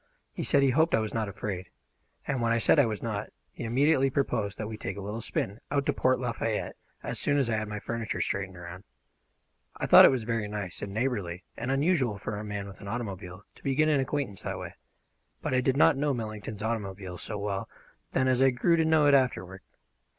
He said he hoped I was not afraid; and when I said I was not, he immediately proposed that we take a little spin out to Port Lafayette as soon as I had my furniture straightened around. I thought it was very nice and neighbourly and unusual for a man with an automobile to begin an acquaintance that way; but I did not know Millington's automobile so well then as I grew to know it afterward.